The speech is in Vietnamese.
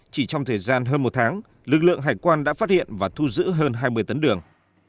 chỉ trong thời gian hơn một tháng lực lượng hải quan đã phát hiện và thu giữ hơn hai mươi tấn đường